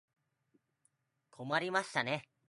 困りましたね。